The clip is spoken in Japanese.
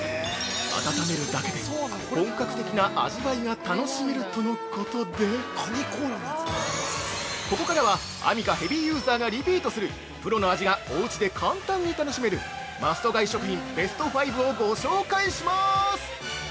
温めるだけで本格的な味わいが楽しめるとのことでここからはアミカヘビーユーザーがリピートするプロの味がおうちで簡単に楽しめるマスト買い食品ベスト５をご紹介します。